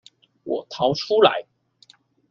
我逃出來